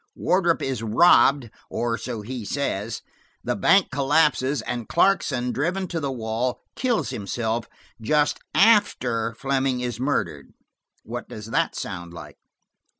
Wardrop is robbed, or says he is: the bank collapses and Clarkson, driven to the wall, kills himself, just after Fleming is murdered. What does that sound like?"